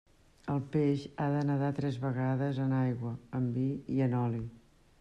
El peix ha de nadar tres vegades: en aigua, en vi i en oli.